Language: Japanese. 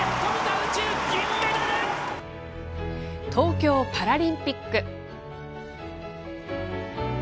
宇宙、東京パラリンピック。